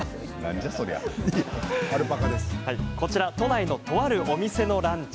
こちら、都内のとあるお店のランチ。